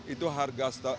itu harga seratus ribu rupiah